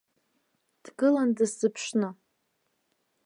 Дгылан дысзыԥшны.